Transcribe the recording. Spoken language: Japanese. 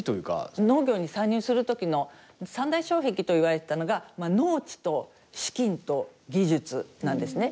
農業に参入する時の三大障壁といわれていたのが農地と資金と技術なんですね。